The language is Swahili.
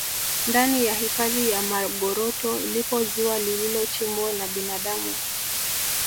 ndani ya hifadhi ya magoroto lipo ziwa lililochimbwa na binadamu